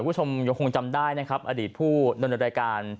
คุณผู้ชมยังคงจำได้นะครับอดีตผู้ดำเนินรายการ